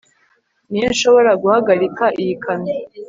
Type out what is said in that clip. Ni he nshobora guhagarika iyi kamyo